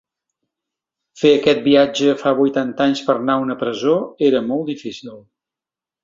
Fer aquest viatge fa vuitanta anys per anar a una presó era molt difícil.